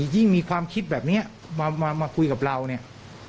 ยิ่งมีความคิดแบบนี้มาคุยกับเราเนี่ย